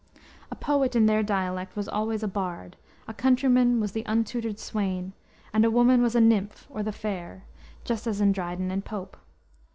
A poet in their dialect was always a "bard;" a countryman was "the untutored swain," and a woman was a "nymph" or "the fair," just as in Dryden and Pope.